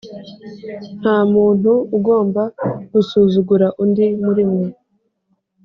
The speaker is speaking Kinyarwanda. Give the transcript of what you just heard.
nta muntu ugomba gusuzugura undi muri mwe